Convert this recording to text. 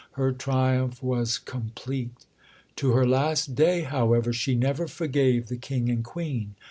Her triumph was complete. To her last day, however, she never forgave the King and Queen.